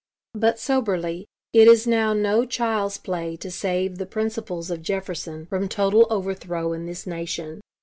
"But, soberly, it is now no child's play to save the principles of Jefferson from total overthrow in this nation.